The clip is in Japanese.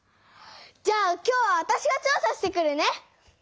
じゃあ今日はわたしが調査してくるね！